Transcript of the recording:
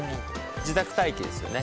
自宅待機ですよね。